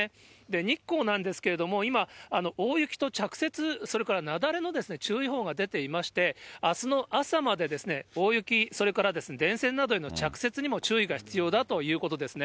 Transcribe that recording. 日光なんですけれども、今、大雪と着雪、それから雪崩の注意報が出ていまして、あすの朝まで大雪、それから電線などへの着雪にも注意が必要だということですね。